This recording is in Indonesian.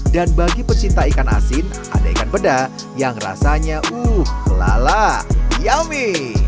dan bagi pecinta ikan asin ada ikan peda yang rasanya uh lala yummy